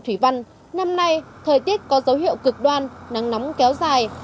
thủy văn năm nay thời tiết có dấu hiệu cực đoan nắng nóng kéo dài